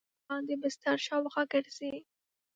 مچان د بستر شاوخوا ګرځي